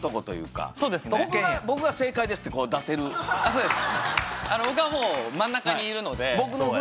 そうです。